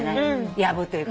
やぶというか。